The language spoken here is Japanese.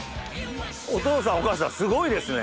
お父さんお母さんすごいですね。